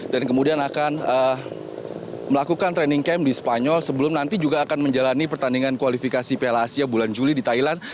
dan kemudian akan melakukan training camp di spanyol sebelum nanti juga akan menjalani pertandingan kualifikasi pl asia bulan juli di thailand